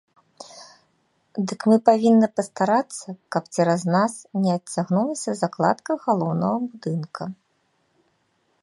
Дык мы павінны пастарацца, каб цераз нас не адцягнулася закладка галоўнага будынка.